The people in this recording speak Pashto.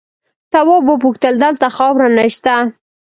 تواب وپوښتل دلته خاوره نه شته؟